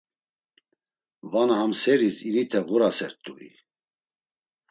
Vana ham seris inite ğurasert̆ui?